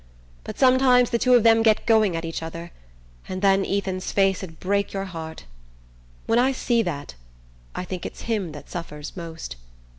But sometimes the two of them get going at each other, and then Ethan's face'd break your heart... When I see that, I think it's him that suffers most...